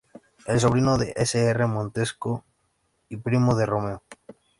Es sobrino del Sr. Montesco y primo de Romeo.